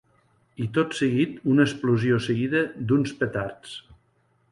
I tot seguit una explosió seguida d’uns petards.